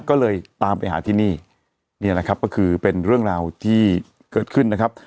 ก็เลยตามไปหาที่นี่นี่แหละครับก็คือเป็นเรื่องราวที่เกิดขึ้นนะครับ